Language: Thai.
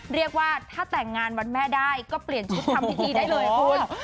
เรียกว่าถ้าแต่งงานวันแม่ได้ก็เปลี่ยนชุดทำพิธีได้เลยคุณ